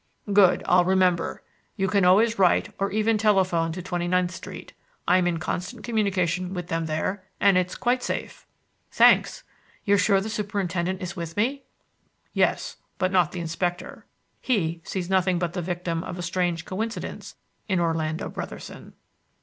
"Good! I'll remember. You can always write or even telephone to Twenty ninth Street. I'm in constant communication with them there, and it's quite safe." "Thanks. You're sure the Superintendent is with me?" "Yes, but not the Inspector. He sees nothing but the victim of a strange coincidence in Orlando Brotherson."